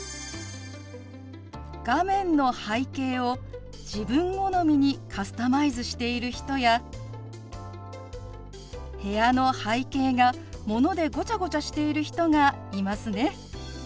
画面の背景を自分好みにカスタマイズしている人や部屋の背景がものでごちゃごちゃしている人がいますね。